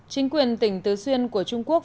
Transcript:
chính quyền tỉnh tứ xuyên của trung quốc